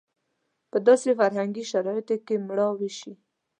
په داسې فرهنګي شرایطو کې مړاوې شي.